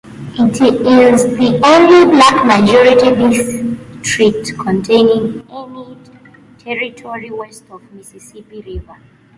It is the only black-majority district containing any territory west of the Mississippi River.